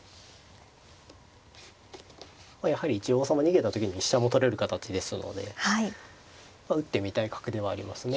やはり一応王様逃げた時に飛車も取れる形ですので打ってみたい角ではありますね。